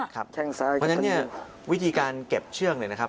เพราะฉะนั้นเนี่ยวิธีการเก็บเชือกเนี่ยนะครับ